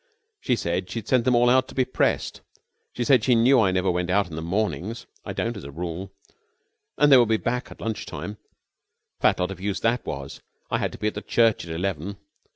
She said she had sent them all to be pressed. She said she knew I never went out in the mornings I don't as a rule and they would be back at lunch time. A fat lot of use that was! I had to be at the church at eleven.